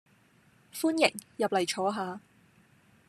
歡迎，入嚟坐下